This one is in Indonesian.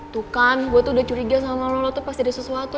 tuh kan gue tuh udah curiga sama lolo tuh pas ada sesuatu